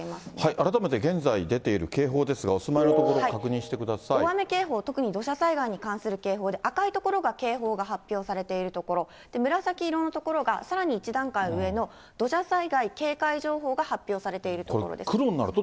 改めて現在出ている警報ですが、お住まいの所、確認してくだ大雨警報、特に土砂災害に関する警報で、赤い所が警報が発表されているところ、紫色の所がさらに１段階上の、土砂災害警戒情報が発表されている所です。